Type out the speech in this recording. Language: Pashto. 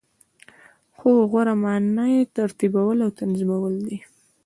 خو غوره معنا یی ترتیبول او تنظیمول دی .